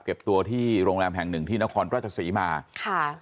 เก็บตัวที่โรงแรมแห่งหนึ่งที่นครราชศรีมาค่ะ